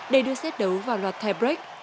để đưa xét đấu vào loạt tiebreak